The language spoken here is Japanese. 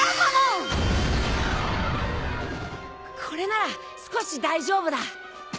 これなら少し大丈夫だ。